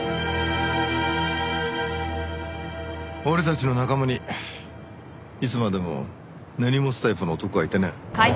俺たちの仲間にいつまでも根に持つタイプの男がいてね。